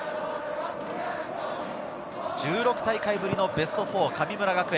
１６大会ぶりのベスト４、神村学園。